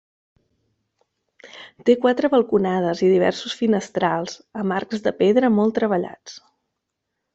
Té quatre balconades i diversos finestrals amb arcs de pedra molt treballats.